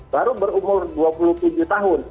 baru berumur dua puluh tujuh tahun